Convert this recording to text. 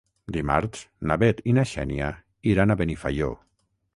Dimarts na Bet i na Xènia iran a Benifaió.